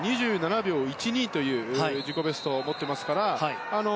２２秒１２という自己ベストを持ってますから。